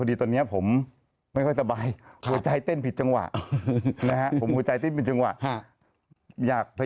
เดี๋ยวไปดูคลิปเมื่อวานนี้กันหน่อยค่ะ